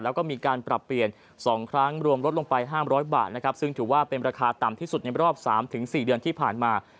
แล้วก็มีการปรับเปลี่ยน๒ครั้งรวมลดลงไป๕๐๐บาทนะครับซึ่งถือว่าเป็นราคาต่ำที่สุดในรอบ๓๔เดือนที่ผ่านมา